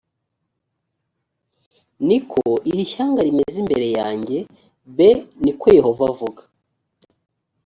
ni ko iri shyanga rimeze imbere yanjye b ni ko yehova avuga